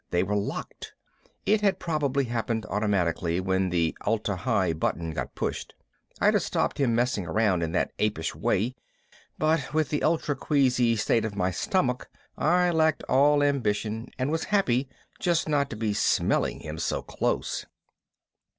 They were locked. It had probably happened automatically when the Atla Hi button got pushed. I'd have stopped him messing around in that apish way, but with the ultra queasy state of my stomach I lacked all ambition and was happy just not to be smelling him so close.